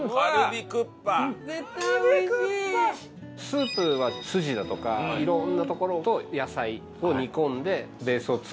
スープはスジだとかいろんなところと野菜を煮込んでベースを作って。